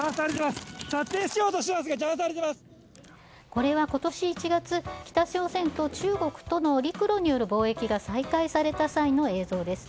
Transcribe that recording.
これは今年１月北朝鮮と中国との陸路による貿易が再開された際の映像です。